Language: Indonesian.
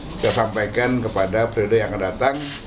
kita sampaikan kepada periode yang akan datang